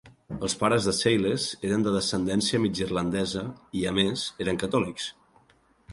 Els pares de Sayles eren de descendència mig irlandesa i, a més, eren catòlics.